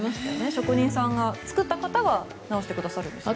職人さんが、作った方が直してくださるんですね。